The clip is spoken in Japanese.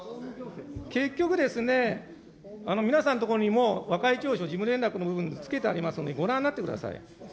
結局ですね、皆さんの所にも、和解調書事務連絡の部分つけてありますんで、ご覧になって下さい。